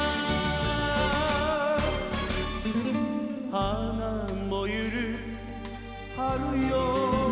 「花もゆる春よ